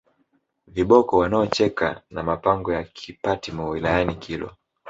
viboko wanaocheka na mapango ya Kipatimo wilayani Kilwa